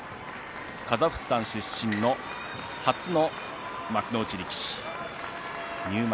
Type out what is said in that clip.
カザフスタン出身の初の幕内力士、入幕